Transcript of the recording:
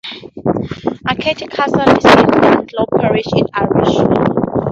Aiket Castle is in Dunlop parish in Ayrshire.